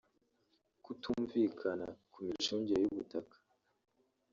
kutumvikana ku micungire y’ubutaka